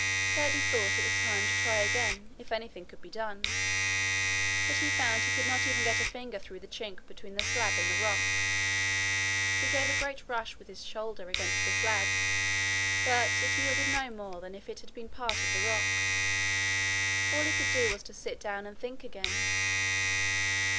Curdie thought it was time to try again if anything could be done. But he found he could not get even a finger through the chink between the slab and the rock. He gave a great rush with his shoulder against the slab, but it yielded no more than if it had been part of the rock. All he could do was to sit down and think again.